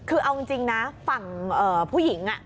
คือเอาจริงนะฝั่งผู้หญิง